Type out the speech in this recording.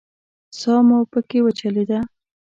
ساه مو پکې وچلېده.